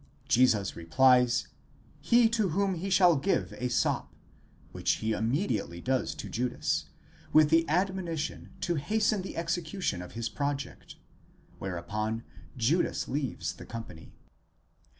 Jesus replies, he to whom he shall give a sop, which he immediately does to Judas, with an admonition to hasten the execution of his project ; whereupon Judas leaves the company.